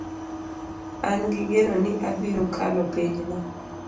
An gi geno ni abiro kalo penj no